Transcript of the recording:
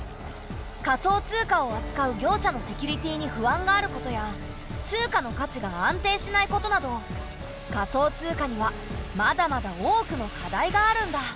仮想通貨をあつかう業者のセキュリティーに不安があることや通貨の価値が安定しないことなど仮想通貨にはまだまだ多くの課題があるんだ。